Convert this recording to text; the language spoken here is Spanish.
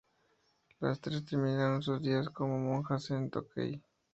Las tres terminaron sus días como monjas en Tōkei-ji.